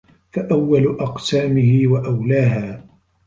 فَأَوَّلُ أَقْسَامِهِ وَأَوْلَاهَا